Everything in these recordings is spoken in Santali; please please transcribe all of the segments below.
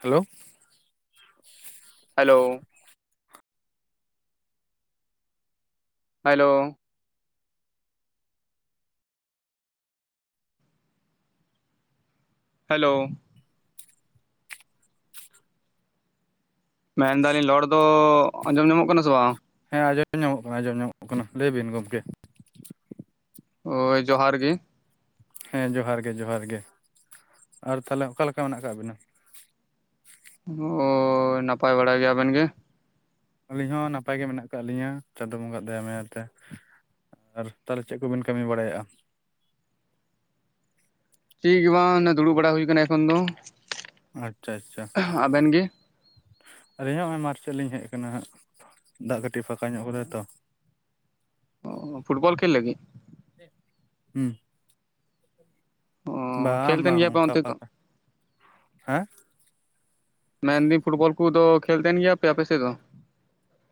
ᱦᱮᱞᱳ! ᱦᱮᱞᱳ! ᱦᱮᱞᱳ! ᱦᱮᱞᱳ! ᱢᱮᱱᱫᱟᱞᱤᱧ ᱞᱚᱲ ᱫᱚᱻ ᱟᱸᱡᱚᱢ ᱧᱟᱢᱚᱜ ᱠᱟᱱᱟ ᱥᱮ ᱵᱟᱝ? ᱦᱮᱸ ᱟᱡᱚᱢ ᱧᱟᱢᱚᱜ ᱠᱟᱱᱟ, ᱟᱡᱚᱢ ᱧᱟᱢᱚᱜ ᱠᱟᱱᱟ ᱞᱟᱹᱭ ᱵᱤᱱ ᱜᱚᱢᱠᱮ᱾ ᱦᱳᱭ, ᱡᱚᱦᱟᱨ ᱜᱮ᱾ ᱦᱮᱸ ᱡᱚᱦᱟᱨ ᱜᱮ ᱡᱚᱦᱟᱨ ᱜᱮ, ᱟᱨ ᱛᱟᱦᱚᱞᱮ ᱚᱠᱟᱞᱮᱠᱟ ᱢᱮᱱᱟᱜ ᱟᱠᱟᱜ ᱵᱤᱱᱟ? ᱦᱳᱻᱭ ᱱᱟᱯᱟᱭ ᱵᱟᱲᱟ ᱜᱮ, ᱟᱵᱮᱱ ᱜᱮ? ᱟᱹᱞᱤᱧ ᱦᱚᱸ ᱱᱟᱯᱟᱭ ᱜᱮ ᱢᱮᱱᱟᱜ ᱟᱠᱟᱜ ᱞᱤᱧᱟ ᱪᱟᱸᱫᱳ ᱵᱚᱸᱜᱟᱼᱟᱜ ᱫᱟᱭᱟ ᱢᱟᱭᱟ ᱛᱮ᱾ ᱟᱨ ᱛᱟᱦᱚᱞᱮ ᱪᱮᱜ ᱠᱚᱵᱤᱱ ᱠᱟᱹᱢᱤ ᱵᱟᱲᱟᱭᱮᱜᱼᱟ? ᱪᱤᱜ ᱜᱮ ᱵᱟᱝ, ᱚᱱᱮ ᱫᱩᱲᱩᱵ ᱵᱟᱲᱟ ᱦᱩᱭ ᱠᱟᱱᱟ ᱮᱠᱷᱚᱱ ᱫᱚ᱾ ᱟᱪᱪᱷᱟ, ᱟᱪᱪᱷᱟ! ᱟᱵᱮᱱ ᱜᱮ ᱟᱹᱞᱤᱧ ᱦᱚᱸ ᱱᱚᱜᱼᱚᱭ ᱢᱟᱴ ᱥᱮᱜ ᱞᱤᱧ ᱦᱮᱡ ᱠᱟᱱᱟ ᱦᱟᱸᱜ ᱫᱟᱜ ᱠᱟᱹᱴᱤᱜ ᱮ ᱯᱷᱟᱠᱟ ᱧᱚᱜ ᱠᱟᱫᱟᱭ ᱛᱚ᱾ [unintelligible] ᱚᱻ ᱯᱷᱩᱴᱵᱚᱞ ᱠᱷᱮᱞ ᱞᱟᱹᱜᱤᱫ? ᱦᱩᱸ! ᱚ ᱵᱟᱝ ᱠᱷᱮᱞ ᱛᱟᱦᱮᱱ ᱵᱟᱝ ᱜᱮᱭᱟ ᱯᱮ ᱚᱝᱠᱟ ᱚᱱᱛᱮ ᱫᱚ ᱯᱟᱠᱟ, ᱦᱮᱸᱜ! ᱢᱮᱱᱫᱤᱧ ᱯᱷᱩᱴᱵᱚᱞ ᱠᱩᱫᱚ ᱠᱷᱮᱞ ᱛᱟᱦᱮᱱ ᱜᱮᱭᱟᱯᱮ ᱟᱯᱮᱥᱮᱫ ᱫᱚ?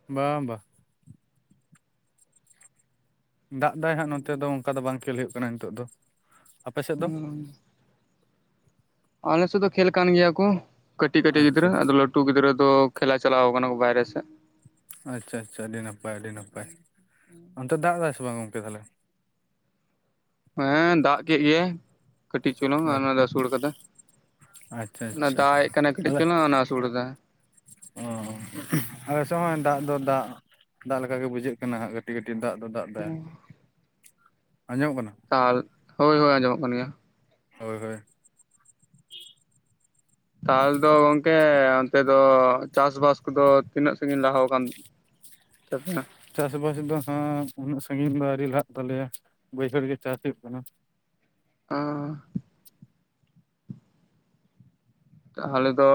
ᱵᱟᱢ ᱰᱟ᱾ ᱫᱟᱜ ᱫᱟᱭ ᱦᱟᱸᱜ ᱱᱚᱸᱛᱮ ᱫᱚ ᱚᱝᱠᱟ ᱫᱚ ᱵᱟᱝ ᱠᱷᱮᱞ ᱦᱳᱭᱳᱜ ᱠᱟᱱᱟ ᱱᱤᱛᱚᱜ ᱫᱚ, ᱟᱯᱮᱥᱮᱜ ᱫᱚ? ᱟᱞᱮ ᱥᱮᱜ ᱫᱚ ᱠᱷᱮᱞ ᱠᱟᱱ ᱜᱮᱭᱟ ᱠᱚ, ᱠᱟᱹᱴᱤᱜ ᱠᱟᱹᱴᱤᱜ ᱟᱪᱪᱷᱟ ᱜᱤᱫᱽᱨᱟᱹ ᱟᱪᱪᱷᱟ ᱟᱫᱚ ᱞᱟᱹ ᱴᱩ ᱜᱤᱫᱽᱨᱟᱹ ᱫᱚ ᱠᱷᱮᱞᱟ ᱪᱟᱞᱟᱣ ᱠᱟᱱᱟ ᱠᱚ ᱵᱟᱭᱨᱮ ᱥᱮᱜ᱾ ᱟᱪᱪᱷᱟ ᱟᱪᱪᱷᱟ ᱟᱹᱰᱤ ᱱᱟᱯᱟᱭ ᱟᱹᱰᱤ ᱱᱟᱯᱟᱭ, ᱚᱱᱛᱮ ᱫᱟᱜ ᱫᱟᱭ ᱥᱮ ᱵᱟᱝ ᱜᱚᱝᱠᱮ ᱛᱟᱦᱞᱮ? ᱦᱮᱸ ᱫᱟᱜ ᱠᱮᱜ ᱜᱮᱭᱟᱭ᱾ ᱠᱟᱹᱴᱤᱡ ᱪᱩᱞᱩᱝ ᱚᱱᱟ ᱟᱪᱪᱷᱟ ᱫᱚ ᱟᱹᱥᱩᱲ ᱠᱟᱫᱟ, ᱟᱪᱪᱷᱟ ᱚᱱᱟ ᱟᱪᱪᱷᱟ ᱫᱟᱜ ᱮᱜ ᱠᱟᱱᱮ ᱠᱟᱹᱴᱤᱡ ᱟᱞᱮ ᱪᱩᱞᱩᱝ ᱚᱱᱟ ᱟᱥᱩᱲ ᱫᱟᱭ᱾ ᱚ ᱟᱞᱮᱥᱮᱜ ᱦᱚᱸ-ᱚᱭ ᱫᱟᱜ ᱫᱚ ᱫᱟᱜ ᱫᱟᱜ ᱞᱮᱠᱟᱜᱮ ᱵᱩᱡᱷᱟᱹᱜ ᱠᱟᱱᱟ ᱦᱟᱸᱜ ᱠᱟᱹᱴᱤᱡ ᱠᱟᱹᱴᱤᱡ ᱫᱟᱜ ᱫᱚ ᱫᱟᱜ ᱫᱟᱭ᱾ᱟᱸᱡᱚᱢᱚᱜ ᱠᱟᱱᱟ? ᱛᱟᱞ, ᱦᱳᱭ ᱦᱳᱭ ᱟᱸᱡᱚᱢᱚᱜ ᱠᱟᱱ ᱜᱮᱭᱟ᱾ ᱦᱳᱭ ᱦᱳᱭ᱾ ᱛᱟᱞ ᱫᱚ ᱜᱚᱝᱠᱮ ᱚᱱᱛᱮ ᱫᱚ ᱪᱟᱥ ᱵᱟᱥ ᱠᱚᱫᱚ ᱛᱤᱱᱟᱹᱜ ᱥᱟᱹᱜᱤᱱ ᱞᱟᱦᱟᱣ ᱠᱟᱱ ᱛᱟᱵᱤᱱᱟ? ᱪᱟᱥᱵᱟᱥ ᱫᱚ ᱦᱟᱸᱜ ᱩᱱᱟᱹᱜ ᱥᱟᱹᱜᱤᱱ ᱫᱚ ᱟᱹᱣᱨᱤ ᱞᱟᱦᱟᱜ ᱛᱟᱞᱮᱭᱟ, ᱵᱟᱹᱭᱦᱟᱹᱲ ᱜᱮ ᱪᱟᱥ ᱦᱩᱭᱩᱜ ᱠᱟᱱᱟ᱾ ᱟᱸᱻ ᱛᱟᱦᱚᱞᱮ ᱫᱚᱻ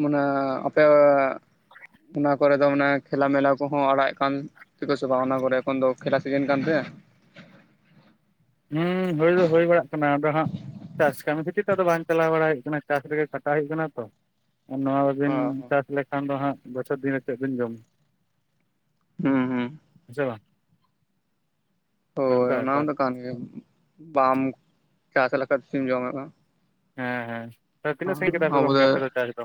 ᱢᱟᱱᱮᱻ ᱟᱯᱮᱻ ᱚᱱᱟ ᱠᱚᱨᱮ ᱫᱚ ᱢᱟᱱᱮ ᱠᱷᱮᱞᱟ ᱢᱮᱞᱟ ᱠᱚᱦᱚᱸ ᱟᱲᱟᱣᱮᱜ ᱠᱟᱱ ᱛᱮ ᱠᱚ ᱥᱮ ᱵᱟ ᱚᱱᱟ ᱠᱚᱨᱮ ᱮᱠᱷᱚᱱ ᱫᱚ ᱠᱷᱮᱞᱟ ᱥᱤᱡᱤᱱ ᱠᱟᱱ ᱛᱮ? ᱦᱩᱸ ᱦᱳᱭ ᱫᱚ ᱦᱳᱭ ᱵᱟᱲᱟᱜ ᱠᱟᱱᱟ, ᱟᱫᱚ ᱦᱟᱸᱜ ᱪᱟᱥ ᱠᱟᱹᱢᱤ ᱠᱷᱟᱹᱛᱤᱨ ᱛᱮᱫᱚ ᱵᱟᱝ ᱪᱟᱞᱟᱣ ᱵᱟᱲᱟᱭ ᱦᱩᱭᱩᱜ ᱠᱟᱱᱟ ᱪᱟᱥ ᱨᱮᱜᱮ ᱠᱷᱟᱴᱟᱜ ᱦᱩᱭᱩᱜ ᱠᱟᱱᱟ ᱛᱚ, ᱱᱚᱣᱟ ᱵᱤᱱ ᱪᱟᱥ ᱞᱮᱠᱷᱟᱱ ᱫᱚ ᱦᱟᱸᱜ ᱵᱚᱪᱷᱚᱨ ᱫᱤᱱ ᱨᱮ ᱪᱮᱜ ᱵᱤᱱ ᱡᱚᱢᱟ? ᱦᱩᱸ ᱦᱩᱸ᱾ ᱦᱮᱸ ᱥᱮ ᱵᱟᱝ? ᱦᱳᱭ ᱚᱱᱠᱟ ᱚᱱᱟ ᱵᱮᱯᱟᱨ ᱦᱚᱸᱛᱚ ᱠᱟᱱ ᱜᱮᱭᱟ, ᱵᱟᱢ ᱪᱟᱥ ᱞᱮᱠᱟᱡ ᱪᱤᱢ ᱡᱚᱢᱮᱜ-ᱟ ᱦᱮᱸ ᱦᱮᱸ, ᱛᱚ ᱛᱤᱱᱟᱹᱜ ᱥᱟᱹᱜᱤᱧ ᱠᱮᱫᱟᱯᱮ ᱜᱚᱝᱠᱮ ᱟᱯᱮ ᱫᱚ ᱪᱟᱥ ᱫᱚ?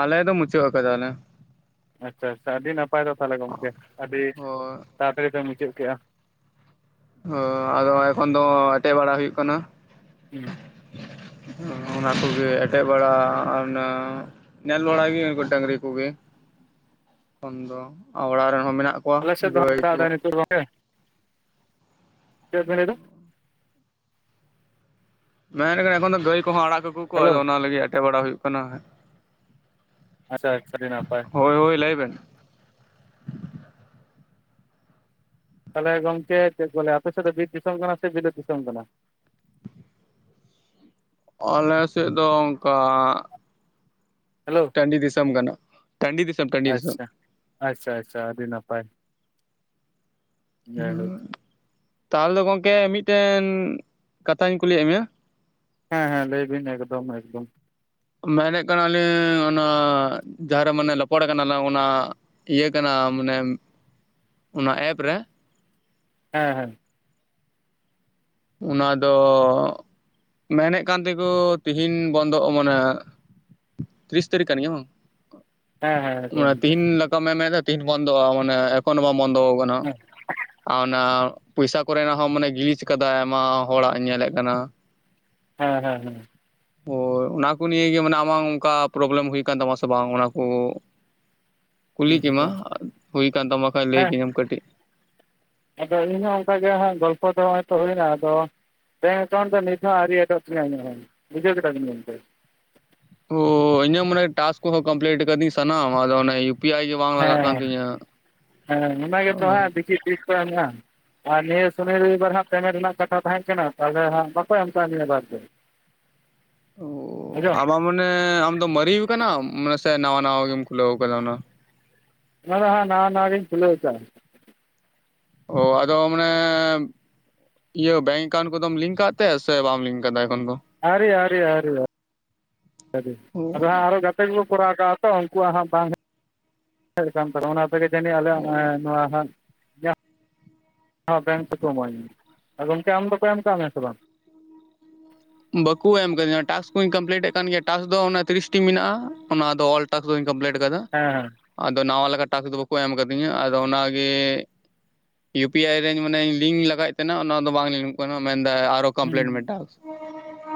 ᱟᱞᱮ ᱫᱚ ᱢᱩᱪᱟᱹᱜ ᱠᱟᱫᱟᱞᱮ᱾ ᱟᱪᱪᱷᱟ ᱟᱪᱪᱷᱟ ᱟᱹᱰᱤ ᱱᱟᱯᱟᱭ ᱫᱚ ᱛᱟᱦᱞᱮ ᱜᱚᱢᱠᱮ ᱟᱹᱰᱤ ᱦᱳᱭ ᱛᱟᱲᱟᱛᱟᱲᱤ ᱯᱮ ᱢᱩᱪᱟᱹᱫ ᱠᱮᱜ-ᱟ᱾ ᱦᱳ ᱟᱫᱚ ᱮᱠᱷᱚᱱ ᱫᱚ ᱮᱴᱮᱜ ᱵᱟᱲᱟ ᱦᱩᱭᱩᱜ ᱠᱟᱱᱟ᱾ ᱦᱩᱸ᱾ ᱦᱚᱸ ᱚᱱᱟ ᱠᱚᱜᱮ ᱮᱴᱮᱜ ᱵᱟᱲᱟ ᱟᱨ ᱚᱱᱟ ᱱᱮᱞ ᱵᱟᱲ ᱜᱮ ᱩᱱᱠᱩ ᱰᱟᱹᱝᱨᱤ ᱠᱚᱜᱮ ᱮᱠᱷᱚᱱ ᱫᱚ, ᱟᱨ ᱚᱲᱟᱜ ᱨᱮᱱ ᱦᱚᱸ ᱢᱮᱱᱟᱜ ᱠᱚᱣᱟ ᱟᱞᱮ ᱥᱮᱫ ᱫᱚ ᱦᱟᱜ ᱜᱟᱹᱭ [unintelligible] ᱚᱱᱰᱮ ᱠᱚ ᱱᱤᱛᱚᱜ᱾ [unintelligible] ᱪᱮᱫ ᱵᱮᱱ ᱞᱟᱹᱭ ᱫᱟ? ᱢᱮᱱᱮᱠᱷᱟᱱ ᱮᱠᱷᱚᱱ ᱫᱚ ᱜᱟᱹᱭ ᱠᱚᱦᱚᱸ ᱟᱲᱟᱜ ᱠᱟᱹᱠᱩᱣ ᱠᱚ ᱦᱮᱞᱳ ᱟᱫᱚ ᱚᱱᱟ ᱞᱟᱹᱜᱤᱫ ᱮᱴᱮᱜ ᱵᱟᱲᱟ ᱦᱩᱭᱩᱜ ᱠᱟᱱᱟ᱾ ᱟᱪᱷᱟ ᱟᱪᱪᱷᱟ ᱟᱹᱰᱤ ᱱᱟᱯᱟᱭ᱾ ᱦᱳᱭ ᱦᱳᱭ ᱞᱟᱹᱭ ᱵᱮᱱ? ᱛᱟᱦᱞᱮ ᱜᱚᱝᱠᱮ ᱪᱮᱫ ᱵᱚᱞᱮ ᱟᱯᱮ ᱥᱮᱫ ᱫᱚ ᱵᱤᱨ ᱫᱤᱥᱚᱢ ᱠᱟᱱᱟ ᱥᱮ ᱵᱤᱞᱟᱹᱛ ᱫᱤᱥᱚᱢ ᱠᱟᱱᱟ? ᱚᱞᱮ ᱥᱮᱜ ᱫᱚ ᱚᱝᱠᱟ ᱦᱮᱞᱳ ᱴᱟᱺᱰᱤ ᱫᱤᱥᱚᱢ ᱠᱟᱱᱟ, ᱴᱟᱺᱰᱤ ᱫᱤᱥᱚᱢ ᱴᱟᱺᱰᱤ ᱫᱤᱥᱚᱢ᱾ ᱟᱪᱷᱟ ᱟᱪᱷᱟ ᱟᱹᱰᱤ ᱱᱟᱯᱟᱭ᱾ ᱡᱟᱭᱦᱳᱠ ᱦᱩᱸ ᱛᱟᱦᱚᱞᱮ ᱫᱚ ᱜᱚᱝᱠᱮ ᱢᱤᱫᱴᱮᱱ ᱠᱟᱛᱷᱟᱧ ᱠᱩᱞᱤᱭᱮᱜ ᱢᱮᱭᱟ᱾ ᱦᱮᱸ ᱦᱮᱸ ᱞᱟᱹᱭ ᱵᱤᱱ ᱮᱠᱫᱚᱢ ᱮᱠᱫᱚᱢ᱾ ᱢᱮᱱᱮᱜ ᱠᱟᱱᱟᱞᱤᱧ ᱚᱱᱟ ᱡᱟᱦᱟᱸᱨᱮ ᱢᱟᱱᱮ ᱨᱚᱯᱚᱲ ᱠᱟᱱᱟ ᱞᱟᱝ ᱚᱱᱟ ᱤᱭᱟᱹ ᱠᱟᱱᱟ ᱢᱟᱱᱮ, ᱚᱱᱟ ᱮᱯ ᱨᱮ ᱦᱮᱸ ᱦᱮᱸ᱾ ᱚᱱᱟ ᱫᱚᱻ ᱢᱮᱱᱮᱜ ᱠᱟᱱ ᱛᱮᱠᱚ ᱛᱤᱦᱤᱧ ᱵᱚᱱᱫᱚᱜ-ᱟ ᱢᱟᱱᱮ ᱛᱤᱭᱤᱥ ᱛᱟᱹᱨᱤᱠ ᱠᱟᱱ ᱜᱮᱭᱟ ᱵᱟᱝ? ᱦᱮᱸ ᱦᱮᱸ ᱦᱮᱸ ᱢᱟᱱᱮ ᱛᱤᱦᱤᱧ ᱞᱮᱠᱟᱢᱮᱱ ᱮᱫᱟ ᱛᱤᱦᱤᱧ ᱵᱚᱱᱫᱚᱜ-ᱟ, ᱢᱟᱱᱮ ᱮᱠᱷᱚᱱ ᱦᱚᱸ ᱵᱟᱝ ᱵᱚᱱᱫᱚ ᱟᱠᱟᱱᱟ᱾ ᱦᱮᱸ ᱟᱨ ᱚᱱᱟ ᱯᱚᱭᱥᱟ ᱠᱚᱨᱮᱱᱟᱜ ᱦᱚᱸ ᱢᱟᱱᱮ ᱜᱤᱞᱤᱡ ᱟᱠᱟᱫᱟᱭ ᱟᱭᱢᱟ ᱦᱚᱲᱟᱜ ᱧᱮᱞᱮᱜ ᱠᱟᱱᱟ᱾ ᱦᱮᱸ ᱦᱮᱸ ᱦᱮᱸ᱾ ᱦᱳᱭ ᱚᱱᱟᱠᱚ ᱱᱤᱭᱮ ᱜᱮ ᱢᱟᱱᱮ ᱟᱢᱟᱜ ᱚᱱᱠᱟ ᱯᱚᱨᱚᱵᱚᱞᱮᱢ ᱦᱩᱭ ᱠᱟᱱ ᱛᱟᱢᱟ ᱥᱮ ᱵᱟᱝ ᱚᱱᱟᱠᱚ? ᱠᱩᱞᱤ ᱠᱮᱢᱟ, ᱦᱮᱸ ᱦᱩᱭ ᱠᱟᱱ ᱛᱟᱢᱟ ᱠᱷᱟᱱ ᱞᱟᱹᱭ ᱦᱮᱸ ᱠᱤᱧᱟᱹᱢ ᱠᱟᱹᱴᱤᱡ᱾ ᱟᱫᱚ ᱤᱧᱦᱚᱸ ᱚᱱᱠᱟᱜᱮ ᱦᱟᱸᱜ ᱜᱚᱞᱯᱚ ᱫᱚ ᱦᱚᱜ-ᱚᱭ ᱛᱚ ᱦᱩᱭᱱᱟ ᱟᱫᱚ᱾ ᱵᱮᱝᱠ ᱮᱠᱟᱣᱩᱱᱴ ᱫᱚ ᱱᱤᱛ ᱦᱚᱸ ᱟᱹᱣᱨᱤ ᱮᱰᱚᱜ ᱛᱤᱧᱟᱹ ᱤᱧᱟᱹᱜ ᱦᱚᱸ᱾ ᱵᱩᱡᱷᱟᱹᱣ ᱠᱮᱫᱟ ᱵᱮᱱ ᱜᱚᱝᱠᱮ᱾ ᱚᱻ ᱤᱧᱟᱹᱜ ᱢᱟᱱᱮ ᱴᱟᱠᱥ ᱠᱚᱦᱚᱸ ᱠᱚᱢᱯᱤᱞᱤᱴ ᱠᱟᱫᱤᱧ ᱥᱟᱱᱟᱢ᱾ ᱟᱫᱚ ᱚᱱᱟ ᱭᱩ ᱯᱤ ᱟᱭᱤ ᱜᱤ ᱦᱮᱸ ᱦᱮᱸ ᱚᱱᱟ ᱜᱮᱛᱚ ᱦᱟᱸᱜ ᱰᱤᱪᱤ ᱛᱤᱥ ᱠᱚ ᱮᱢᱚᱜ-ᱟ᱾ ᱟᱨ ᱱᱤᱭᱟᱹ ᱥᱩᱱᱤ ᱨᱚᱵᱤ ᱵᱟᱨ ᱦᱟᱸᱜ ᱯᱮᱢᱮᱱᱴ ᱨᱮᱱᱟᱜ ᱠᱟᱛᱷᱟ ᱛᱟᱦᱮᱸ ᱠᱟᱱᱟ᱾ ᱛᱟᱦᱚᱸᱞᱮ ᱦᱟᱸᱜ ᱵᱟᱠᱚ ᱮᱢ ᱠᱟᱜ ᱞᱮᱭᱟ ᱵᱟᱨ ᱯᱮ [inaudible] ᱚ ᱟᱵᱟ ᱢᱟᱱᱮ, ᱟᱢ ᱫᱚᱢ ᱢᱟᱨᱤᱣᱩ ᱠᱟᱱᱟᱢ? ᱢᱟᱱᱮ ᱥᱮ ᱱᱟᱣᱟ ᱱᱟᱣᱟ ᱜᱮᱢ ᱠᱷᱩᱞᱟᱹᱣ ᱟᱠᱟᱫᱟ ᱚᱱᱟ? ᱦᱮᱸ ᱦᱮᱸ ᱱᱟᱣᱟ ᱱᱟᱣᱟ ᱜᱮᱧ ᱠᱷᱩᱞᱟᱹᱣ ᱟᱠᱟᱫᱟ᱾ ᱚ ᱟᱫᱚ ᱢᱟᱱᱮ ᱤᱭᱟᱹ ᱵᱮᱝᱠ ᱮᱠᱟᱣᱩᱱᱴ ᱠᱚᱫᱚᱢ ᱞᱤᱝᱠ ᱠᱟᱜ ᱛᱮ, ᱥᱮ ᱵᱟᱢ ᱞᱤᱝᱠ ᱠᱟᱫᱟ ᱮᱠᱷᱚᱱ ᱫᱚ? ᱟᱹᱣᱨᱤ ᱟᱹᱣᱨᱤ ᱟᱹᱣᱨᱤ ᱟᱹᱣᱨᱤ ᱚ ᱟᱫᱚ ᱦᱟᱸᱜ ᱟᱨᱦᱚ ᱜᱟ ᱛᱮ ᱠᱚᱠᱚ ᱠᱚᱨᱟᱣ ᱠᱟᱜ-ᱟ ᱛᱚ᱾ ᱩᱱᱠᱩᱣᱟᱜ ᱦᱚᱸ ᱵᱟᱝ ᱦᱮᱡ ᱦᱮᱡ ᱠᱟᱱ ᱛᱟᱠᱚᱣᱟ᱾ ᱚᱱᱟ ᱚᱱᱠᱟ ᱜᱮ ᱡᱟᱹᱱᱤᱡ ᱟᱞᱮᱭᱟᱜ ᱚ ᱦᱚᱸ ᱮ ᱱᱚᱣᱟ ᱦᱚᱸ᱾ ᱦᱚᱸ ᱵᱮᱝᱠ ᱛᱮᱠᱚ ᱤᱢᱟᱹᱧᱟᱹ᱾ ᱟᱨ ᱜᱚᱝᱠᱮ ᱟᱢ ᱫᱚᱠᱚ ᱮᱢ ᱠᱟᱜ ᱢᱮᱭᱟ ᱥᱮ ᱵᱟᱝ? ᱵᱟᱹᱠᱩ ᱮᱢ ᱠᱟᱫᱤᱧᱟᱹ ᱴᱟᱥᱠ ᱠᱩᱧ ᱠᱚᱢᱯᱤᱞᱤᱴᱮ ᱠᱟᱱ ᱜᱮᱭᱟ, ᱴᱟᱥᱠ ᱫᱚ ᱚᱱᱟ ᱛᱤᱨᱤᱥ ᱴᱤ ᱢᱮᱱᱟᱜ-ᱟ᱾ ᱚᱱᱟ ᱫᱚ ᱚᱞ ᱴᱟᱥᱠ ᱫᱚᱧ ᱠᱚᱢᱯᱞᱮᱴ ᱟᱠᱟᱫᱟ᱾ ᱦᱮᱸ ᱦᱮᱸ ᱟᱫᱚ ᱱᱟᱣᱟ ᱞᱮᱠᱟ ᱴᱟᱥᱠ ᱫᱚ ᱵᱟᱹᱠᱩ ᱮᱢ ᱟᱠᱟᱫᱤᱧᱟᱹ᱾ ᱟᱫᱚ ᱚᱱᱟᱜᱮᱻ ᱭᱩ ᱯᱤ ᱟᱭ ᱨᱮᱧ ᱢᱟᱱᱮᱧ ᱞᱤᱝᱠ ᱞᱟᱜᱟᱣᱮᱫ ᱛᱟᱦᱮᱸᱱᱟ ᱚᱱᱟ ᱫᱚ ᱵᱟᱝ ᱞᱤᱝᱚᱜ ᱠᱟᱱᱟ ᱢᱮᱱᱫᱟᱭ ᱟᱨᱚ ᱦᱩᱸ ᱠᱚᱢᱯᱞᱤᱴ ᱢᱮ ᱴᱟᱠᱥ᱾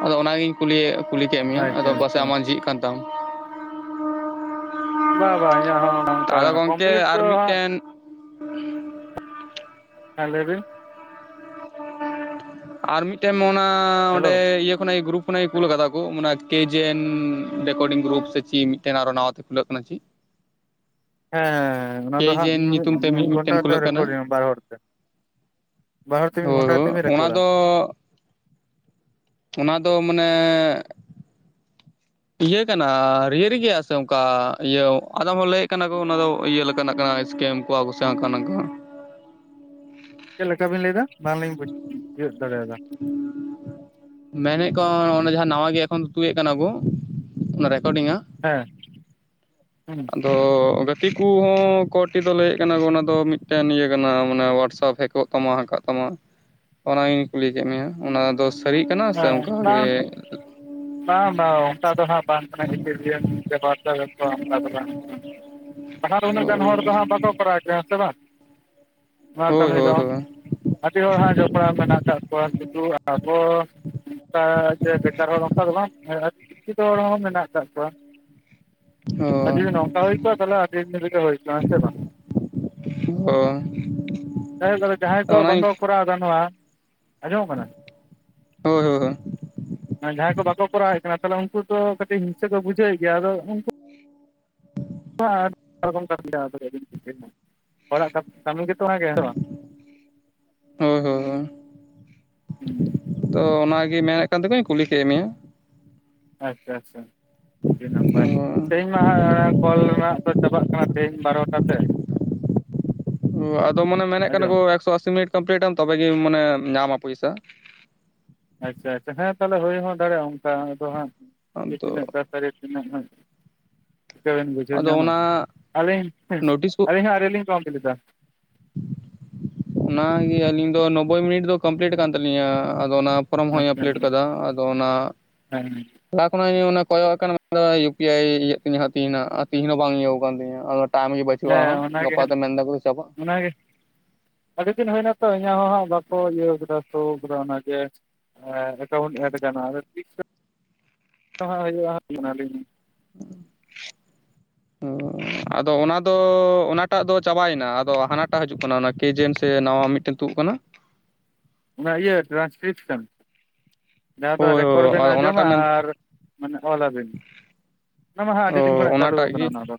ᱟᱫᱚ ᱚᱱᱟᱜᱤᱧ ᱠᱩᱞᱤ ᱭᱮᱜ ᱠᱩᱞᱤ ᱠᱮᱫ ᱢᱮᱭᱟ, ᱟᱫᱚ ᱟᱪᱪᱷᱟ ᱯᱟᱥᱮᱜ ᱟᱪᱪᱷᱟ ᱟᱢᱟᱜ ᱡᱷᱤᱡ ᱠᱟᱱ ᱛᱟᱢ᱾ ᱵᱟ ᱵᱟ ᱤᱧᱟᱹᱜ ᱦᱚᱸ ᱚᱱᱮ ᱚᱱᱠᱟ ᱟᱫᱚ ᱜᱚᱝᱠᱮ ᱠᱚᱢᱯᱤᱞᱤᱴ ᱟᱨ ᱫᱚ ᱦᱟᱸᱜ ᱢᱤᱫᱴᱮᱱ ᱦᱮᱸ ᱞᱟᱹᱭ ᱵᱤᱱ᱾ ᱟᱨ ᱢᱤᱫᱴᱮᱱ ᱚᱱᱟ ᱚᱸᱰᱮ ᱦᱮᱞᱳ ᱤᱭᱟᱹ ᱠᱷᱚᱱᱟᱜ ᱜᱨᱩᱯ ᱚᱱᱟᱭ ᱠᱩᱞ ᱠᱟᱫᱟ ᱠᱚ ᱚᱱᱟ ᱠᱮᱡᱮ ᱮᱱ ᱨᱮᱠᱚᱨᱰᱤᱝ ᱜᱨᱩᱯ ᱥᱮ ᱪᱮᱫ ᱢᱤᱫᱴᱮᱱ ᱟᱨᱚ ᱱᱟᱣᱟ ᱠᱷᱩᱞᱟᱹᱜ ᱠᱟᱱᱟ ᱪᱮᱫ ᱦᱮᱸᱻ ᱚᱱᱟ ᱫᱚ ᱦᱟᱸᱜ ᱠᱮᱡᱮᱱ ᱢᱤᱫ ᱧᱩᱛᱩᱢ ᱛᱮ [unintelligible] ᱢᱤᱫ ᱢᱤᱫᱜᱷᱚᱱᱴᱟ ᱢᱤᱫᱴᱮᱱ ᱠᱟᱛᱮ ᱠᱷᱩᱞᱟᱹᱜ ᱠᱟᱱᱟ ᱨᱮᱠᱚᱰᱤᱧᱟ ᱵᱟᱨ ᱦᱚᱲ ᱛᱮ᱾ ᱵᱟᱨ ᱦᱚᱲᱛᱮ ᱢᱤᱫ ᱦᱳᱭ ᱜᱷᱚᱱᱴᱟ ᱠᱟᱛᱮᱫ ᱵᱤᱱ ᱦᱳ ᱨᱮᱠᱚᱨᱰᱟ ᱚᱱᱟᱫᱚᱻ᱾ ᱚᱱᱟᱫᱚ ᱢᱟᱱᱮᱻ᱾ ᱤᱭᱟᱹ ᱠᱟᱱᱟ ᱨᱤᱭᱟᱨᱤ ᱜᱮᱭᱟ ᱥᱮ ᱚᱱᱠᱟ ᱤᱭᱟᱹ ᱟᱫᱚᱢ ᱵᱚᱱ ᱞᱟᱹᱭᱮᱫ ᱠᱟᱱᱟ ᱜᱳ ᱚᱱᱟ ᱫᱚ ᱤᱭᱟᱹ ᱞᱮᱠᱟᱱᱟᱜ ᱠᱟᱱᱟ ᱥᱠᱮᱢ᱾ ᱠᱚᱣᱟ ᱠᱚ ᱥᱮ ᱦᱟᱝᱠᱟ ᱱᱟᱝᱠᱟ᱾ ᱪᱮᱫ ᱠᱮᱠᱟ ᱵᱤᱱ ᱞᱟᱹᱭ ᱫᱟ? ᱵᱟᱝᱞᱤᱧ ᱵᱩᱡ ᱛᱤᱭᱳᱜ ᱫᱟᱲᱮᱭᱟᱫᱟ᱾ ᱢᱮᱱᱮᱫ ᱠᱚᱣᱟᱚᱱ ᱚᱱᱮ ᱡᱟᱦᱟᱸ ᱱᱟᱶᱟ ᱜᱮ ᱮᱠᱷᱚᱱ ᱛᱩᱭᱮᱫ ᱠᱟᱱᱟ ᱠᱚ, ᱚᱱᱮ ᱨᱮᱠᱚᱨᱰᱤᱝᱟ᱾ ᱦᱮᱸ᱾ [inaudible] ᱦᱩᱸ᱾ ᱛᱚᱻ ᱜᱟᱛᱮ ᱠᱚᱦᱚᱸ ᱠᱚᱴᱤ ᱫᱚ ᱞᱟᱹᱭᱮᱫ ᱠᱟᱱᱟ ᱠᱚ ᱚᱱᱟᱫᱚ ᱢᱤᱫᱴᱮᱱ ᱤᱭᱟᱹ ᱠᱟᱱᱟ ᱚᱱᱟ ᱦᱚᱣᱟᱴᱥᱮᱯ ᱦᱮᱠ᱾ [unintelligible] ᱛᱟᱢᱟ ᱦᱟᱝᱠᱟᱜ ᱛᱟᱢᱟ᱾ ᱚᱱᱟᱜᱤᱧ ᱠᱩᱞᱤ ᱠᱮᱫ ᱢᱮᱭᱟ, ᱚᱱᱟ ᱫᱚ ᱥᱟᱹᱨᱤ ᱠᱟᱱᱟ᱾ ᱥᱮ ᱦᱮᱸ ᱚᱱᱠᱟ ᱜᱮᱻ᱾ ᱵᱟᱝ ᱵᱟᱝ ᱵᱟᱝ ᱚᱱᱠᱟ ᱫᱚ ᱦᱟᱸᱜ ᱵᱟᱝ ᱠᱟᱱᱟ᱾ [unintelligible] [unintelligible] ᱞᱟᱦᱟ ᱫᱚ ᱩᱱᱟᱹᱜ ᱜᱟᱱ ᱦᱚᱲ ᱫᱚ ᱦᱟᱸᱜ ᱵᱟᱠᱚ ᱠᱚᱨᱟᱣᱮᱫ ᱛᱟᱦᱮᱸ ᱦᱮᱸ ᱥᱮ ᱵᱟᱝ᱾ ᱱᱚᱣᱟ ᱦᱳᱭ ᱠᱟᱢᱤ ᱦᱳᱭ ᱫᱚ ᱦᱳᱭ ᱟᱰᱤ ᱦᱚᱲ ᱦᱟᱸᱜ ᱡᱚᱯᱲᱟᱣ ᱢᱮᱱᱟᱜ ᱠᱟᱫ ᱠᱚᱣᱟ ᱥᱩᱫᱩ ᱟᱵᱚᱼᱼ ᱚᱱᱠᱟ ᱡᱮ ᱵᱮᱠᱟᱨ ᱦᱚᱲ ᱚᱱᱠᱟ ᱫᱚ ᱵᱟᱝ ᱮᱸ ᱥᱤᱠᱠᱷᱤᱛᱚ ᱦᱚᱲ ᱦᱚᱸ ᱢᱮᱱᱟᱜ ᱠᱟᱫ ᱠᱚᱣᱟ᱾ ᱟᱨ ᱡᱩᱫᱤ ᱚ ᱱᱚᱝᱠᱟ ᱦᱩᱭ ᱠᱚᱜᱼᱟ ᱛᱟᱦᱞᱮ ᱟᱰᱤ ᱫᱤᱱ ᱨᱮ ᱜᱮ ᱦᱩᱭ ᱠᱚᱜᱼᱟ ᱦᱮᱸᱥᱮ ᱵᱟᱝ? ᱦᱮ ᱛᱟᱞᱦᱮ ᱡᱟᱦᱟᱭ ᱠᱚᱣᱟᱜ ᱚᱱᱟᱧ ᱵᱟᱠᱚ ᱠᱚᱨᱟᱣ ᱜᱟᱱᱚᱜᱼᱟ ᱟᱸᱡᱚᱢ ᱠᱟᱱᱟ? ᱦᱳᱭ ᱦᱳᱭ ᱦᱳᱭ ᱡᱟᱦᱟᱸᱭ ᱠᱚ ᱵᱟᱠᱚ ᱠᱚᱨᱟᱣᱮᱫ ᱠᱟᱱᱟ ᱛᱟᱦᱞᱮ ᱵᱟᱠᱚ ᱠᱚᱨᱟᱣᱮᱜ ᱠᱟᱱᱟ ᱩᱱᱠᱩ ᱫᱚ ᱠᱟᱹᱴᱤᱡ ᱦᱤᱝᱥᱟᱹ ᱠᱚ ᱵᱩᱡᱷᱟᱹᱣᱮᱫ ᱜᱮᱭᱟ ᱟᱫᱚ ᱩᱱᱠᱩ ᱼᱼ [inaudible] ᱮᱢᱟ ᱨᱳᱠᱳᱢ ᱠᱟᱱ ᱡᱮᱫᱤᱱ ᱡᱮᱫᱤᱱ᱾ ᱦᱚᱲᱟᱜ ᱠᱟ ᱠᱟᱹᱢᱤ ᱜᱮᱛᱚ ᱚᱱᱟᱜᱮ ᱦᱮᱸ ᱵᱟᱝ ᱦᱳᱭ ᱦᱳᱭ ᱵᱟᱝ ᱛᱚ ᱚᱱᱟᱜᱮ ᱢᱮᱱᱮᱫ ᱠᱟᱱ ᱛᱮᱠᱚᱧ ᱠᱩᱞᱤ ᱠᱮᱫ ᱢᱮᱭᱟ᱾ ᱟᱪᱪᱷᱟ ᱟᱪᱪᱷᱟ ᱟᱰᱤ ᱱᱟᱯᱟᱭ ᱛᱮᱦᱮᱧᱼᱼ ᱚᱱᱟ ᱦᱟᱸᱜ ᱠᱚᱞ ᱨᱮᱱᱟᱜ ᱫᱚ ᱪᱟᱵᱟᱜ ᱠᱟᱱᱟ ᱛᱮᱦᱮᱧ ᱵᱟᱨᱚᱴᱟ ᱛᱮ ᱛᱚ ᱟᱫᱚ ᱢᱟᱱᱮ ᱢᱮᱱᱮᱫ ᱠᱟᱱᱟ ᱟᱸᱡᱚᱢ ᱠᱚ ᱮᱠᱥᱚ ᱟᱥᱤ ᱢᱤᱱᱤᱴ ᱠᱚᱢᱯᱞᱤᱴᱟᱢ ᱛᱚᱵᱮ ᱜᱮ ᱢᱟᱱᱮ ᱧᱟᱢᱟ ᱯᱚᱭᱥᱟ᱾ ᱟᱪᱪᱷᱟ ᱟᱪᱪᱷᱟ ᱦᱮᱸ ᱛᱟᱦᱞᱮ ᱦᱚᱭᱦᱚᱸ ᱫᱟᱲᱮᱭᱟᱜᱼᱟ ᱚᱱᱠᱟ ᱫᱚ ᱦᱟᱸᱜ ᱟᱫᱚ ᱛᱤᱱᱟᱹᱜ ᱴᱟ ᱥᱟᱨᱤ ᱛᱤᱱᱟᱹᱜ ᱴᱟᱼᱼ ᱪᱤᱠᱟᱹ ᱵᱤᱱ ᱵᱩᱡᱷᱟᱹᱣ ᱟᱫᱚ ᱧᱟᱢᱟ ᱚᱱᱟ ᱟᱞᱤᱧ ᱱᱳᱴᱤᱥ ᱠᱚ ᱟᱞᱤᱧ ᱦᱚᱸ ᱟᱣᱨᱤ ᱞᱤᱧ ᱠᱚᱢᱯᱞᱤᱴᱟ᱾ ᱚᱱᱟᱜᱮ ᱟᱞᱤᱧ ᱫᱚ ᱱᱚᱵᱽᱵᱳᱭ ᱢᱤᱱᱤᱴ ᱫᱚ ᱠᱚᱢᱯᱞᱤᱴ ᱠᱟᱱ ᱛᱟᱞᱤᱧᱟ ᱟᱫᱚ ᱚᱱᱟᱼᱼ ᱯᱷᱨᱚᱢ ᱦᱚᱧ ᱟᱪᱪᱷᱟ ᱟᱯᱞᱮᱴ ᱠᱟᱫᱟ ᱟᱫᱚ ᱚᱱᱟᱼᱼ ᱦᱮᱸ ᱞᱟᱦᱟ ᱠᱷᱚᱱᱟᱜ ᱤᱧ ᱠᱚᱭᱚᱜ ᱠᱟᱱᱟ ᱢᱮᱱᱫᱟ ᱤᱭᱩ ᱯᱤ ᱟᱭ ᱤᱭ ᱤᱭᱟᱹᱜ ᱛᱤᱧᱟᱹ ᱦᱟᱸᱜ ᱛᱤᱦᱤᱧ ᱦᱟᱸᱜ ᱟᱨ ᱛᱤᱦᱤᱧ ᱦᱚᱸ ᱵᱟᱝ ᱤᱭᱟᱹ ᱠᱟᱱ ᱛᱤᱧᱟᱹ᱾ ᱠᱟᱢ ᱜᱮ ᱵᱟᱪᱩᱜ ᱦᱮᱸ ᱟᱦᱟᱸᱜ ᱚᱱᱟᱜᱮ ᱜᱟᱯᱟ ᱦᱟᱸᱜ ᱫᱚ ᱢᱮᱱᱫᱟ ᱠᱚ ᱪᱟᱵᱟᱜ᱾ ᱟᱰᱤ ᱫᱤᱱ ᱦᱩᱭᱱᱟᱛᱚ ᱤᱧᱟᱹᱜ ᱦᱚᱸ ᱦᱟᱸᱜ ᱵᱟᱠᱚ ᱤᱭᱟᱹᱣ ᱠᱟᱫᱟ ᱥᱳᱣ ᱠᱟᱫᱟ ᱛᱚ ᱚᱱᱟᱜᱮᱼᱼ ᱮᱠᱟᱣᱩᱱᱴ ᱮᱴ ᱠᱟᱱᱟ ᱟᱫᱚ ᱛᱤᱥ ᱪᱚ ᱦᱟᱸᱜ ᱦᱩᱭᱩᱜᱼᱟ ᱚᱱᱟᱞᱤᱧᱼᱼ [unintelligible] ᱟᱫᱚ ᱚᱱᱟ ᱫᱚ ᱚᱱᱟᱴᱟᱜ ᱫᱚ ᱪᱟᱵᱟᱭᱮᱱᱟ ᱟᱫᱚ ᱦᱟᱱᱟᱴᱟᱜ ᱦᱤᱡᱩᱜ ᱠᱟᱱᱟ ᱚᱱᱟ ᱚᱱᱟ ᱠᱮᱡᱮᱱ ᱥᱮ ᱱᱟᱣᱟ ᱢᱤᱫᱴᱮᱱ ᱛᱩᱫ ᱠᱟᱱᱟ ᱚᱱᱟ ᱤᱭᱟᱹ ᱴᱨᱟᱱᱥᱠᱤᱨᱤᱯᱥᱚᱱ ᱡᱟᱦᱟᱸ ᱫᱚ ᱦᱳᱭ ᱨᱮᱠᱚᱨᱰ ᱦᱳᱭ ᱵᱮᱱ ᱟᱫᱚ ᱟᱸᱡᱚᱢᱟ ᱚᱱᱟᱴᱟᱜ ᱢᱮᱱ ᱟᱨ ᱚᱞᱟᱵᱤᱱ ᱚᱱᱟ ᱢᱟ ᱦᱟᱸᱜ ᱟᱰᱤ ᱫᱤᱱ ᱚ ᱠᱷᱚᱱᱟᱜ ᱪᱟᱹᱞᱩᱣ ᱚᱱᱟᱴᱟᱜ ᱠᱟᱱᱟ ᱜᱮ ᱚᱱᱟ ᱫᱚ᱾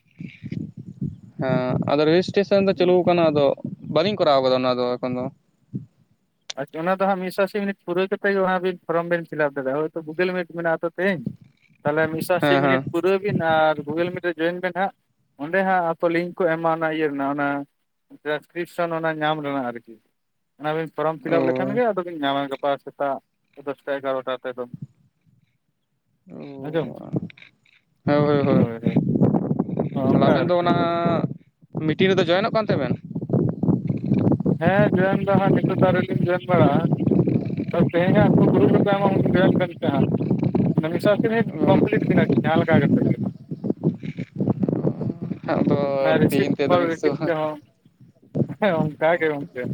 ᱦᱮᱸ ᱟᱫᱚ ᱨᱮᱡᱤᱥᱴᱮᱥᱚᱱ ᱫᱚ ᱪᱟᱹᱞᱩᱣ ᱠᱟᱱᱟ ᱟᱫᱚ ᱵᱟᱞᱤᱧ ᱠᱚᱨᱟᱣ ᱠᱟᱫᱟ ᱚᱱᱟ ᱫᱚ ᱮᱠᱷᱚᱱ ᱫᱚ᱾ ᱟᱪᱪᱷᱟ ᱚᱱᱟ ᱫᱚ ᱦᱟᱸᱜ ᱢᱤᱫᱥᱚ ᱟᱥᱤ ᱢᱤᱱᱤᱴ ᱯᱩᱨᱟᱹᱣ ᱠᱟᱛᱮ ᱜᱮ ᱦᱟᱸᱜ ᱵᱤᱱ ᱯᱷᱚᱨᱚᱢ ᱵᱤᱱ ᱯᱷᱤᱞᱟᱯ ᱫᱟᱲᱮᱭᱟᱜᱼᱟ ᱦᱳᱭᱛᱳ ᱜᱩᱜᱩᱞ ᱢᱤᱴ ᱢᱮᱱᱟᱜᱼᱟ ᱛᱚ ᱠᱤᱦᱤᱧ ᱛᱟᱦᱞᱮ ᱢᱤᱫ ᱥᱚ ᱥᱟᱥᱤ ᱦᱮᱸ ᱦᱮᱸ ᱢᱤᱱᱤᱴ ᱯᱩᱨᱼᱼ ᱯᱩᱨᱟᱹᱣᱵᱤᱱ ᱟᱨ ᱜᱩᱜᱩᱞ ᱢᱤᱴ ᱨᱮ ᱡᱚᱭᱮᱱ ᱵᱤᱱ ᱦᱟᱸᱜ ᱚᱸᱰᱮ ᱦᱟᱸᱜ ᱟᱠᱚ ᱞᱤᱝᱠ ᱠᱚ ᱮᱢᱟ ᱚᱱᱟ ᱤᱭᱟᱹ ᱨᱮᱱᱟᱜ ᱚᱱᱟᱼᱼ ᱴᱨᱟᱱᱥᱠᱨᱤᱯᱥᱚᱱ ᱚᱱᱟ ᱧᱟᱢ ᱨᱮᱱᱟᱜ ᱟᱨᱠᱤ ᱚᱱᱟᱵᱤᱱ ᱠᱚᱨᱟᱼᱼ ᱚ ᱯᱷᱤᱞᱟᱯ ᱞᱮᱠᱷᱟᱱ ᱜᱮ ᱟᱫᱚᱵᱤᱧ ᱧᱟᱢᱟ ᱜᱟᱯᱟ ᱥᱮᱛᱟᱜ ᱫᱚᱥᱴᱟ ᱮᱜᱟᱨᱚᱴᱟ ᱛᱮ ᱫᱚ᱾ ᱳ ᱦᱳᱭ ᱦᱳᱭ ᱛᱟᱦᱞᱮ ᱚᱱᱠᱟ ᱟᱵᱮᱱ ᱫᱚ ᱟᱨᱠᱤ ᱚᱱᱟ ᱢᱤᱴᱤᱝ ᱨᱮᱫᱚ ᱡᱚᱭᱮᱱᱚᱜ ᱠᱟᱱ ᱛᱟᱦᱮ ᱵᱮᱱ? ᱦᱮᱸ ᱡᱚᱭᱮᱱ ᱫᱚ ᱦᱟᱸᱜ ᱱᱤᱛᱳᱜ ᱫᱚ ᱟᱣᱨᱤ ᱞᱤᱧ ᱡᱚᱭᱮᱱ ᱵᱟᱲᱟᱜᱼᱟ ᱛᱮᱦᱮᱧ ᱦᱟᱜᱺᱠᱚ ᱜᱩᱨᱩᱯ ᱨᱮᱠᱚ ᱮᱢᱟ ᱩᱱ ᱡᱚᱭᱮᱱ ᱥᱮ ᱦᱟᱸᱜ᱾ ᱢᱟᱱᱮ ᱢᱤᱫ ᱥᱚ ᱟᱥᱤ ᱢᱤᱱᱤᱴ ᱠᱚᱢᱯᱞᱤᱴ ᱵᱤᱱ ᱟᱨᱠᱤ ᱡᱟᱦᱟ ᱞᱮᱠᱟ ᱠᱟᱛᱮᱫ ᱜᱮ᱾ ᱟᱫᱚ ᱨᱤᱥᱤᱯ ᱛᱮᱦᱮᱧ ᱛᱮᱫᱚ ᱠᱚᱞ ᱢᱤᱫ ᱥᱚ ᱨᱤᱥᱤᱯ ᱨᱮᱦᱚᱸ ᱚᱱᱠᱟ ᱜᱮ [unintelligible]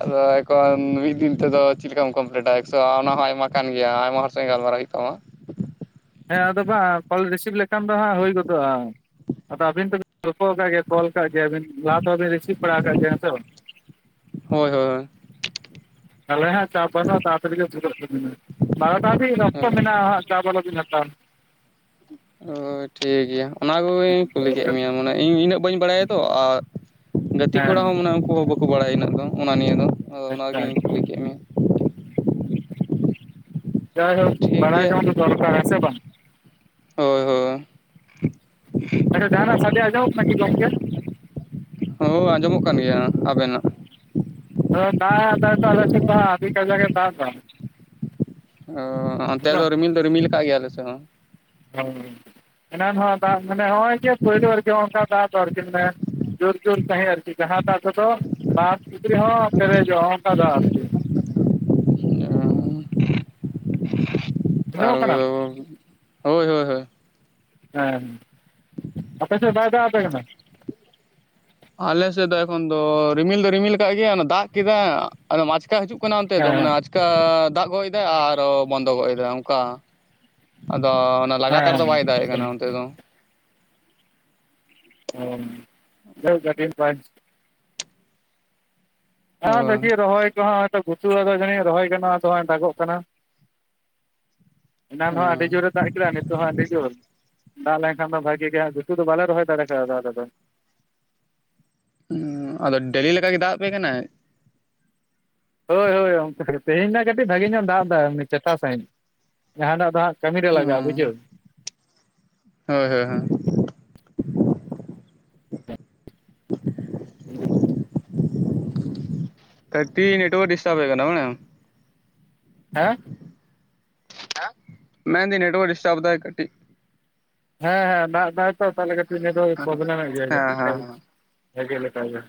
ᱟᱫᱚ ᱮᱠᱷᱚᱱ ᱢᱤᱫ ᱫᱤᱱ ᱛᱮᱫᱚ ᱪᱮᱫ ᱞᱮᱠᱟᱢ ᱠᱚᱢᱯᱞᱤᱴᱟ ᱮᱠᱥᱚ ᱚᱱᱟ ᱦᱚᱸ ᱟᱭᱢᱟ ᱠᱟᱱ ᱜᱮᱭᱟ ᱟᱭᱢᱟᱼᱼ ᱥᱟᱝ ᱜᱟᱞᱢᱟᱨᱟᱣ ᱦᱩᱭᱩᱜ ᱛᱟᱢᱟ᱾ ᱦᱮᱸ ᱟᱫᱚ ᱵᱟᱝ ᱠᱚᱞ ᱨᱤᱥᱤᱵᱷ ᱞᱮᱠᱷᱟᱱ ᱫᱚ ᱦᱩᱭ ᱜᱚᱫᱚᱜᱼᱟ᱾ ᱟᱫᱚ ᱟᱹᱵᱤᱱ ᱛᱚᱵᱤᱱ ᱜᱚᱞᱯᱷᱚ ᱠᱟᱫ ᱜᱮᱭᱟ ᱠᱚᱞ ᱠᱟᱜ ᱜᱮᱭᱟᱵᱤᱱ ᱞᱟᱦᱟ ᱛᱮᱦᱚᱸᱵᱤᱱ ᱨᱤᱥᱤᱵᱷ ᱵᱟᱲᱟᱣ ᱠᱟᱫ ᱜᱮᱭᱟ ᱛᱚ᱾ ᱦᱳᱭ ᱦᱳᱭ ᱦᱳᱭ ᱛᱟᱦᱞᱮ ᱦᱟᱸᱜ ᱪᱟᱯ ᱵᱟᱹᱱᱩᱜ-ᱟ ᱛᱟᱲᱟᱛᱟᱲᱤ ᱜᱮ ᱯᱩᱨᱟᱹᱜ ᱛᱟᱵᱤᱱᱟ ᱵᱟᱨᱚ ᱴᱟ ᱦᱟᱵᱤᱡ ᱵᱟᱥᱛᱚ ᱢᱮᱱᱟᱜᱼᱟ ᱦᱟᱸᱜ᱾ ᱪᱟᱯ ᱟᱞᱚ ᱵᱤᱱ ᱦᱟᱛᱟᱣᱟ᱾ ᱚ ᱴᱷᱤᱠ ᱜᱮᱭᱟ ᱚᱱᱟ ᱠᱚᱜᱤᱧ ᱠᱩᱞᱤ ᱠᱮᱫ ᱦᱮᱸ ᱢᱮᱭᱟ ᱢᱟᱱᱮ ᱤᱧ ᱤᱱᱟᱹᱜ ᱵᱟᱹᱧ ᱵᱟᱲᱟᱭᱟ ᱛᱚ ᱟᱨ ᱜᱟᱛᱤ ᱠᱚᱲᱟ ᱦᱚᱸ ᱢᱟᱱᱮ ᱩᱱᱠᱩ ᱵᱟ ᱵᱟᱠᱚ ᱵᱟᱲᱟᱭᱟ ᱚᱱᱟᱹᱜ ᱫᱚ ᱚᱱᱟ ᱱᱤᱭᱟᱹ ᱫᱚ ᱟᱫᱚ ᱟᱪᱪᱷᱟ ᱚᱱᱟᱜᱤᱧ ᱟᱪᱪᱷᱟ ᱠᱩᱞᱤ ᱠᱮᱫ ᱢᱮᱭᱟ᱾ ᱡᱟᱭᱦᱳᱠ ᱴᱷᱤᱠ ᱵᱟᱲᱟᱭ ᱜᱮᱭᱟ ᱡᱚᱝ ᱫᱚ ᱫᱚᱨᱠᱟᱨ, ᱦᱮᱸ ᱥᱮ ᱵᱟᱝ? ᱦᱳᱭ ᱦᱳᱭ᱾ ᱟᱪᱪᱷᱟ ᱡᱟᱦᱟᱱᱟᱜ ᱥᱟᱰᱮ ᱟᱸᱡᱚᱢᱚᱜ ᱠᱟᱱᱟ ᱠᱤ ᱜᱚᱝᱠᱮ? ᱦᱳ ᱟᱸᱡᱚᱢᱚᱜ ᱠᱟᱱ ᱜᱮᱭᱟ ᱟᱵᱮᱱᱟᱜ᱾ ᱟᱫᱚ ᱫᱟᱜ ᱫᱟᱭ ᱛᱚ ᱟᱞᱮ ᱥᱮᱫ ᱫᱚ ᱦᱟᱸᱜ᱾ ᱟᱹᱰᱤ ᱠᱟᱡᱟᱜᱮ ᱫᱟᱜ ᱫᱟ᱾ ᱚ ᱚᱱᱛᱮ ᱫᱚ ᱨᱤᱢᱤᱞ ᱫᱚ ᱨᱤᱢᱤᱞ ᱟᱠᱟᱫ ᱜᱮᱭᱟ ᱟᱞᱮ ᱥᱮᱫ ᱦᱚᱸ᱾ ᱚ᱾ ᱮᱱᱟᱱ ᱦᱚᱸ ᱟᱨ ᱫᱟᱜ ᱢᱟᱱᱮ ᱦᱚᱸᱜᱼᱚᱭ ᱡᱮ ᱯᱳᱭᱞᱳ ᱟᱨᱠᱤ ᱦᱚ-ᱚᱱᱠᱟ ᱫᱟᱜ ᱫᱚ ᱟᱨᱠᱤ ᱢᱟᱱᱮ ᱡᱳᱨ ᱡᱳᱨ ᱥᱟᱹᱦᱤᱡ ᱟᱨᱠᱤ ᱡᱟᱦᱟᱸ ᱫᱟᱜ ᱠᱚᱫᱚ ᱵᱟᱫᱽ ᱯᱩᱠᱷᱨᱤ ᱦᱚᱸ ᱯᱮᱨᱮᱡᱚᱜ ᱱᱚᱜ-ᱚᱝᱠᱟ ᱫᱟᱜ ᱟᱨᱠᱤ᱾ [inaudible] ᱵᱩᱡᱷᱟᱹᱣ ᱠᱟᱱᱟ [unintelligible] ᱦᱳᱭ ᱦᱳᱭ ᱦᱳᱭ᱾ ᱦᱮᱸ᱾ ᱟᱯᱮ ᱥᱮᱫ ᱵᱟᱭ ᱫᱟᱜ ᱟᱯᱮ ᱠᱟᱱᱟ? ᱟᱞᱮ ᱥᱮᱫ ᱫᱚ ᱮᱠᱷᱚᱱ ᱫᱚ ᱨᱤᱢᱤᱞ ᱫᱚ ᱨᱤᱢᱤᱞ ᱟᱠᱟᱫ ᱜᱮᱭᱟ ᱚᱱᱟ ᱫᱟᱜ ᱠᱮᱫᱟᱭ ᱟᱫᱚᱢ ᱟᱪᱠᱟ ᱦᱤᱡᱩᱜ ᱠᱟᱱᱟ ᱚᱱᱛᱮ ᱫᱚ ᱢᱟᱱᱮ ᱦᱮᱸ ᱟᱪᱠᱟ ᱫᱟᱜ ᱜᱚᱜ ᱮᱫᱟᱭ ᱟᱨᱚ ᱵᱚᱱᱫᱚ ᱜᱚᱜ ᱮᱫᱟᱭ ᱚᱝᱠᱟ᱾ ᱟᱫᱚ ᱚᱱᱟ ᱞᱟᱜᱟᱛᱟᱨ ᱦᱮᱸ ᱫᱚ ᱦᱮᱸ ᱵᱟᱭ ᱫᱟᱜ ᱮᱫ ᱟᱪᱪᱷᱟ ᱠᱟᱱᱟ ᱚᱱᱛᱮ ᱫᱚ᱾ [unintelligible] ᱟᱨ ᱦᱳᱭ ᱫᱮᱠᱷᱤ ᱨᱚᱦᱚᱭ ᱠᱚᱦᱚᱸ ᱦᱟᱸᱜ-ᱚᱭ ᱛᱚ ᱜᱩᱛᱩᱨᱼᱟ ᱦᱟᱲᱳ ᱫᱚ ᱡᱟᱹᱱᱤᱡ ᱨᱚᱦᱚᱭ ᱜᱟᱱᱚᱜ-ᱟ᱾ ᱟᱫᱚ ᱦᱚᱸᱜ-ᱚᱭ ᱫᱟᱜᱚᱜ ᱠᱟᱱᱟ᱾ ᱮᱱᱟᱱ ᱦᱚᱸ ᱟᱹᱰᱤ ᱡᱳᱨᱮ ᱦᱮᱸ ᱫᱟᱜ ᱠᱮᱫᱟ ᱟᱨ ᱱᱤᱛ ᱫᱚ ᱦᱟᱸᱜ ᱟᱹᱰᱤ ᱡᱳᱨ, ᱫᱟᱜ ᱞᱮᱱᱠᱷᱟᱱ ᱫᱚ ᱵᱷᱟᱜᱤ ᱜᱮ ᱜᱷᱩᱴᱩ ᱫᱚ ᱵᱟᱞᱮ ᱨᱚᱦᱚᱭ ᱫᱟᱲᱮ ᱠᱟᱣᱫᱟ ᱟᱞᱮ ᱫᱚ᱾ ᱩᱸ ᱟᱫᱚ ᱰᱮᱞᱤ ᱞᱮᱠᱟ ᱜᱮ ᱫᱟᱜ ᱟᱯᱮ ᱠᱟᱱᱟᱭ᱾ ᱦᱳᱭ ᱦᱳᱭ ᱚᱱᱛᱮ ᱠᱟᱴᱤᱡ᱾ ᱛᱮᱦᱮᱧ ᱱᱟᱜ ᱠᱟᱹᱴᱤᱡ ᱵᱷᱟᱜᱮ ᱧᱚᱜ ᱫᱟᱜ ᱫᱟᱭ ᱮᱢᱱᱤ ᱪᱮᱴᱷᱟ ᱥᱟᱺᱦᱤᱡ᱾ ᱡᱟᱦᱟᱸ ᱫᱟᱜ ᱫᱚ ᱦᱟᱸᱜ ᱠᱟᱹᱢᱤ ᱨᱮ ᱞᱟᱜᱟᱜᱼᱟ ᱦᱮᱸ ᱵᱩᱡᱷᱟᱹᱣ᱾ ᱦᱳᱭ ᱦᱳᱭ ᱦᱳᱭ᱾ [unintelligible] ᱟᱹᱰᱤ ᱮᱴᱣᱟᱨᱠ ᱰᱤᱥᱴᱟᱵ ᱦᱩᱭᱩᱜ ᱠᱟᱱᱟ ᱵᱟᱲᱟᱭᱟᱢ᱾ ᱦᱮᱸ? ᱢᱮᱱ ᱫᱟᱹᱧ ᱱᱮᱴᱣᱟᱨᱠ ᱰᱤᱥᱴᱟᱵ ᱫᱟᱭ ᱠᱟᱴᱤᱡ᱾ ᱦᱮᱸ ᱦᱮᱸ ᱫᱟᱜ ᱫᱟᱭ ᱛᱚ ᱛᱟᱦᱚᱞᱮ ᱠᱟᱴᱤᱡ ᱱᱮᱴᱣᱟᱨᱠ-ᱮ ᱦᱮᱸ ᱯᱨᱚᱵᱞᱮᱢᱮᱫ ᱜᱮᱭᱟᱭ ᱦᱮᱸ ᱦᱮᱸ ᱠᱟᱴᱤᱜ ᱵᱷᱟᱜᱤ ᱞᱮᱠᱟ ᱜᱮ᱾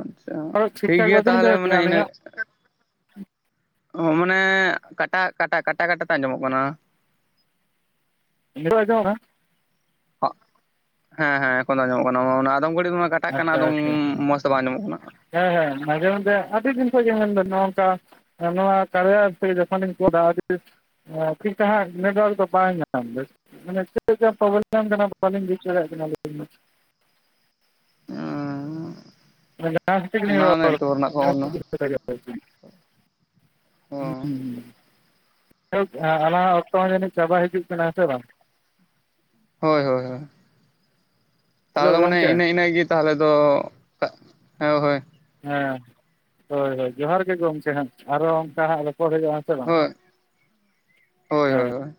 ᱟᱪᱪᱷᱟ ᱴᱷᱤᱠ ᱴᱷᱟᱠ ᱜᱮᱭᱟ ᱵᱟᱵᱮᱱ ᱛᱟᱦᱚᱞᱮ ᱟᱸᱡᱚᱢᱮᱫ ᱢᱟᱱᱮ ᱛᱤᱧᱟᱹ ᱤᱱᱟᱹᱜ ᱟᱹᱞᱤᱧᱟᱜ ᱚᱦ ᱢᱟᱱᱮ ᱠᱟᱴᱟᱜ ᱠᱟᱴᱟ ᱠᱟᱴᱟ ᱠᱟᱴᱟ ᱛᱮ ᱟᱸᱡᱚᱢᱚᱜ ᱠᱟᱱᱟ᱾ ᱱᱤᱛᱚᱜ ᱟᱸᱡᱚᱢᱚᱜ ᱠᱟᱱᱟ? ᱦᱮᱸ ᱦᱮᱸ ᱮᱠᱷᱚᱱ ᱫᱚ ᱟᱸᱡᱚᱢᱚᱜ ᱠᱟᱱᱟ ᱢᱟ ᱟᱫᱚᱢ ᱜᱷᱟᱲᱤᱡ ᱫᱚ ᱢᱟᱱᱮ ᱠᱟᱴ ᱴᱟᱜ ᱠᱟᱱᱟ ᱟᱪᱪᱷᱟ ᱟᱫᱚᱢ ᱟᱪᱪᱷᱟ ᱢᱚᱡᱽ ᱛᱮ ᱵᱟᱝ ᱟᱸᱢᱚᱢᱚᱜ ᱠᱟᱱᱟ᱾ ᱦᱮᱸ ᱦᱮᱸ ᱢᱟᱡᱮ ᱢᱚᱫᱽᱫᱷᱮ ᱟᱹᱰᱤ ᱫᱤᱱ ᱠᱷᱚᱡ ᱜᱮ ᱢᱮᱱ ᱫᱚ ᱱᱚᱜ-ᱚᱝᱠᱟ ᱟᱨ ᱱᱚᱣᱟ ᱠᱟᱲᱭᱟ ᱮᱯᱥ ᱛᱮ ᱡᱚᱠᱷᱚᱱᱤᱧ [unintelligible] ᱮᱸ ᱴᱷᱤᱠ ᱴᱷᱟᱠ ᱦᱟᱸᱜ ᱱᱮᱴᱣᱟᱨᱠ ᱫᱚ ᱵᱟᱭ ᱧᱟᱢ ᱮᱫᱟ᱾ ᱢᱟᱱᱮ ᱪᱮᱫ ᱞᱮᱠᱟ ᱯᱨᱚᱵᱞᱮᱢ ᱠᱟᱱᱟ ᱟᱫᱚ ᱵᱟᱹᱞᱤᱧ ᱵᱩᱡ ᱫᱟᱲᱮᱭᱟᱜ ᱠᱟᱱᱟ ᱟᱞᱤᱧ ᱫᱚ᱾ [unintelligible] [unintelligible] [unintelligible] ᱡᱟᱸᱣ ᱚᱱᱟ ᱱᱮᱴᱣᱟᱨᱠ ᱨᱮᱱᱟᱜ ᱯᱨᱚᱵᱞᱮᱢ ᱚ ᱠᱮᱜ-ᱟ ᱟᱞᱟᱝᱟᱜ ᱚᱠᱛᱚ ᱦᱚᱸ ᱡᱟᱱᱤᱡ ᱪᱟᱵᱟ ᱦᱟᱡᱩᱜ ᱠᱟᱱᱟ, ᱦᱮ ᱥᱮ ᱵᱟᱝ? ᱦᱳᱭ ᱦᱳᱭ ᱦᱳᱭ ᱦᱮᱞᱳ ᱛᱟᱦᱚᱞᱮ ᱢᱟᱱᱮ ᱜᱚᱢᱠᱮ ᱤᱱᱟᱹᱜ ᱤᱱᱟᱹᱜ ᱜᱮ ᱛᱟᱦᱚᱞᱮ ᱫᱚ ᱦᱮᱸᱣ ᱦᱳᱭ᱾ ᱦᱮᱸ, ᱦᱳᱭ ᱦᱳᱭ ᱡᱚᱦᱟᱨ ᱜᱮ ᱜᱚᱝᱠᱮ ᱦᱟᱸᱜ ᱟᱨᱚ ᱚᱝᱠᱟ ᱦᱟᱸᱜ ᱨᱚᱯᱚᱲ ᱦᱩᱭᱩᱜᱼᱟ, ᱪᱮᱸ ᱵᱟᱝ? ᱦᱳᱭ ᱦᱳᱭ ᱦᱮᱸ᱾ ᱦᱳᱭ